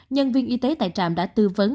nhân viên y tế tại trạm đã tư vấn